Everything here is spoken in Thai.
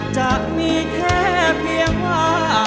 จะมีแค่เพียงว่า